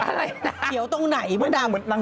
แล้วใส่สีแดง